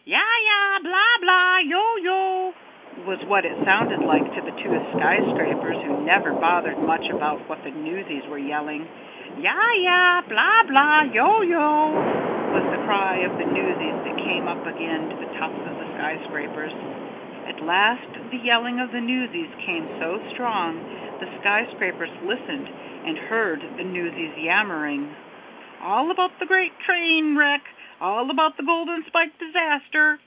"Yah yah, blah blah, yoh yoh," was what it sounded like to the two skyscrapers who never bothered much about what the newsies were yelling. "Yah yah, blah blah, yoh yoh," was the cry of the newsies that came up again to the tops of the skyscrapers. At last the yelling of the newsies came so strong the skyscrapers listened and heard the newsies yammering, "All about the great train wreck! All about the Golden Spike disaster!